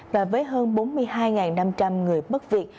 và với hơn bốn mươi hai năm trăm linh người bất việt